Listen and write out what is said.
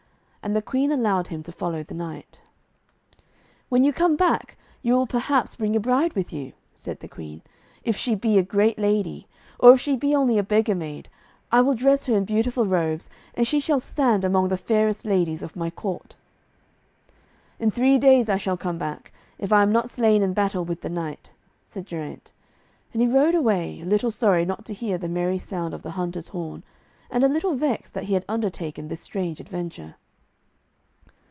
And the Queen allowed him to follow the knight. 'When you come back, you will perhaps bring a bride with you,' said the Queen. 'If she be a great lady, or if she be only a beggar maid, I will dress her in beautiful robes, and she shall stand among the fairest ladies of my court.' 'In three days I shall come back, if I am not slain in battle with the knight,' said Geraint. And he rode away, a little sorry not to hear the merry sound of the hunter's horn, and a little vexed that he had undertaken this strange adventure.